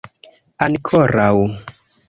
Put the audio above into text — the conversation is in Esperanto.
ankoraŭ